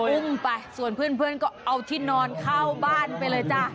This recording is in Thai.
อุ้มไปส่วนเพื่อนก็เอาที่นอนเข้าบ้านไปเลยจ้ะ